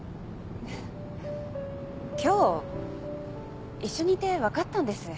今日一緒にいて分かったんです。